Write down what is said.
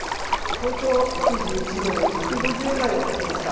早朝、一時１ドル１５０円台をつけました。